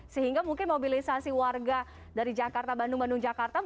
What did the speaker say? sehingga mungkin mobilisasi warga dari jakarta bandung bandung jakarta